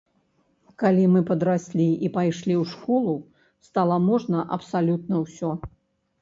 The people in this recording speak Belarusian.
Калі мы падраслі і пайшлі ў школу, стала можна абсалютна ўсё.